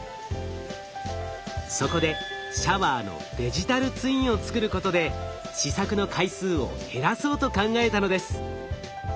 そこでシャワーのデジタルツインを作ることで試作の回数を減らそうと考えたのです。